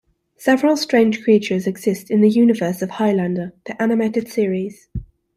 Several strange creatures exist in the universe of "Highlander: The Animated Series".